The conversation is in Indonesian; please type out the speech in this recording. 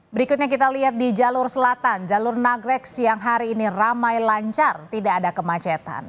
berikutnya kita lihat di jalur selatan jalur nagrek siang hari ini ramai lancar tidak ada kemacetan